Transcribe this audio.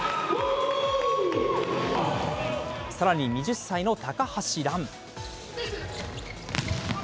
さらに２０歳の高橋藍。